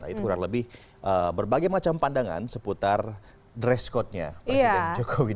itu kurang lebih berbagai macam pandangan seputar dress code nya presiden jokowi